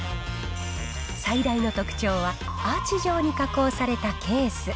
最大の特徴は、アーチ状に加工されたケース。